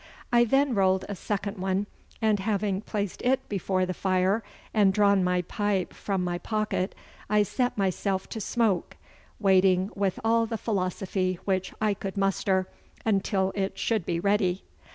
I then rolled a second one, and having placed it before the fire, and drawn my pipe from my pocket, I set myself to smoke, waiting with all the philosophy which I could muster until it should be ready.